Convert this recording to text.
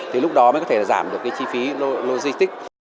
thì lúc đó mới có thể giảm được cái chi phí logistic